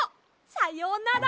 さようなら！